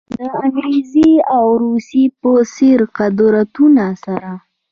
د انګریز او روس په څېر قدرتونو سره.